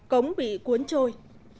cống bị cuốn trôi